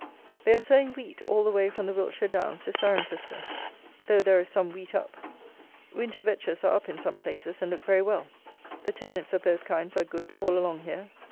They are sowing wheat all the way from the Wiltshire downs to Cirencester; though there is some wheat up. Winter Vetches are up in some places, and look very well. The turnips of both kinds are good all along here.